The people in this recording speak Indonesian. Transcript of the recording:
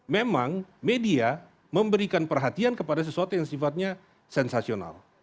memang media memberikan perhatian kepada sesuatu yang sifatnya sensasional